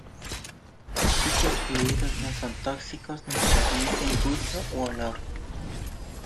Dichos fluidos no son tóxicos ni transmiten gusto u olor.